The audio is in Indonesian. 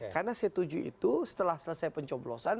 karena c tujuh itu setelah selesai pencoblosan